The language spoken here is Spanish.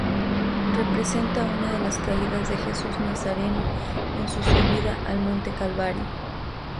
Representa una de las caídas de Jesús Nazareno en su subida al Monte Calvario.